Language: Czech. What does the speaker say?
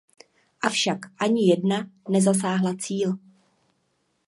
Avšak ani jedna nezasáhla cíl.